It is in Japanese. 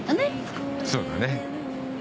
そうだね。